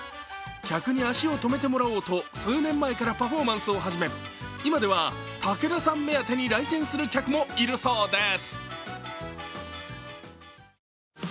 客に足を止めてもらおうと数年前からパフォーマンスを始め今では竹田さん目当てに来店する客もいるそうです。